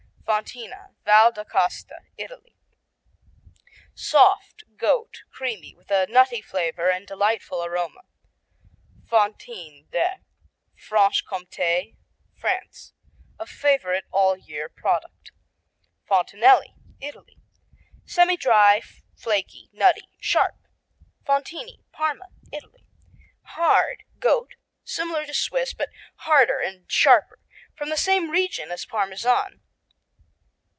Fontina Val d'Acosta, Italy Soft; goat; creamy; with a nutty flavor and delightful aroma. Fontine, de Franche Comté, France A favorite all year product. Fontinelli Italy Semidry; flaky; nutty; sharp. Fontini Parma, Italy Hard; goat; similar to Swiss, but harder and sharper. From the same region as Parmesan.